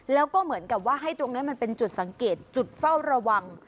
แล้วก็เหมือนกับว่าให้ตรงนี้มันเป็นจุดสังเกตจุดเฝ้าระวัง